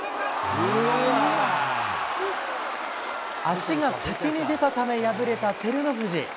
足が先に出たため、敗れた照ノ富士。